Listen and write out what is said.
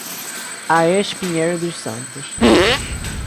Arez Pinheiro dos Santos